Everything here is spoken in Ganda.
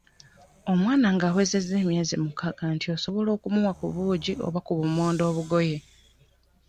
Omwana ng'awezezza emyezi mukaaga nti osobola okumuwa ku buugi oba obummonde obugoye.